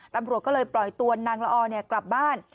รำหรวดก็เลยปล่อยตัวนางละอเนี่ยกลับบ้าน